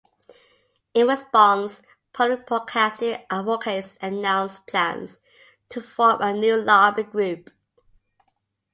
In response, public broadcasting advocates announced plans to form a new lobby group.